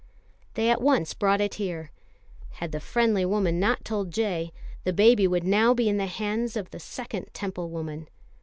They at once brought it here. Had the friendly woman not told J., the baby would now be in the hands of the second Temple woman.